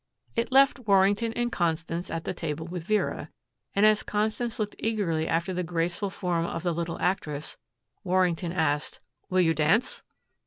It left Warrington and Constance at the table with Vera, and as Constance looked eagerly after the graceful form of the little actress, Warrington asked, "Will you dance!"